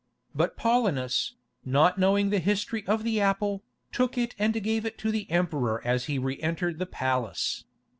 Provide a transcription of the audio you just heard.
But Paulinus, not knowing the history of the apple, took it and gave it to the emperor as he reëntered the Palace.